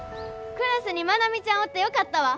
クラスに愛美ちゃんおってよかったわ。